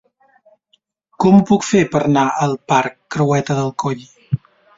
Com ho puc fer per anar al parc Creueta del Coll?